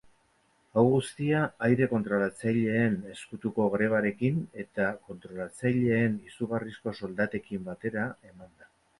Hau guztia aire-kontrolatzaileen ezkutuko grebarekin eta kontrolatzaileen izugarrizko soldatekin batera eman da.